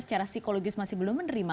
secara psikologis masih belum menerima